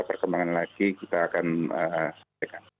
perkembangan lagi kita akan sampaikan